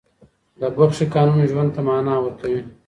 د بښې قانون ژوند ته معنا ورکوي.